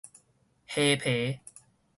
蝦皮